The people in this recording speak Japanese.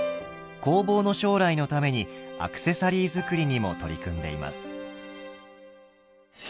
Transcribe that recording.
工房の将来のためにアクセサリー作りにも取り組んでいます。